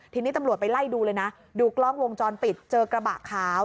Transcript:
ทีนี้ตำรวจไปไล่ดูเลยนะดูกล้องวงจรปิดเจอกระบะขาว